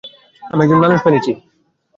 আমি একজন মানুষ মেরেছি।